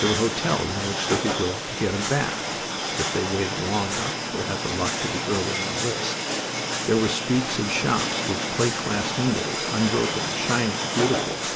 There were hotels in which they could go get a bath, if they waited long enough or had the luck to be early on the list. There were streets of shops with plate glass windows unbroken, shining, beautiful.